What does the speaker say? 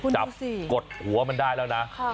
จับกดหัวมันได้แล้วนะ